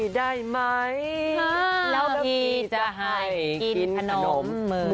เดี๋ยวพี่จะให้กินขนม๑๕๐๐๐